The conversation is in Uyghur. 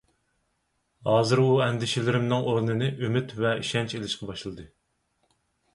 ھازىر ئۇ ئەندىشىلىرىمنىڭ ئورنىنى ئۈمىد ۋە ئىشەنچ ئېلىشقا باشلىدى.